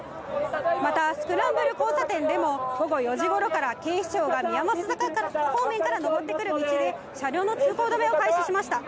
またスクランブル交差点でも、午後４時ごろから警視庁が宮益坂方面から上ってくる道で、車両の通行止めを開始しました。